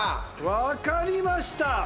分かりました！